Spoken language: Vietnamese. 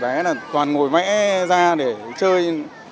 đấy là toàn ngồi mẽ ra để chơi